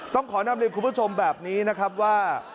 ต้องขอนำเรียนคุณผู้ชมแบบนี้นะครับว่า